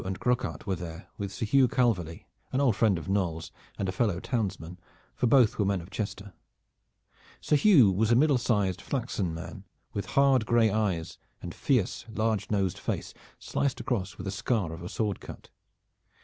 Bambro' and Croquart were there with Sir Hugh Calverly, an old friend of Knolles and a fellow townsman, for both were men of Chester. Sir Hugh was a middle sized flaxen man, with hard gray eyes and fierce large nosed face sliced across with the scar of a sword cut.